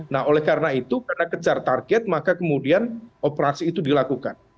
nah oleh karena itu karena kejar target maka kemudian operasi itu dilakukan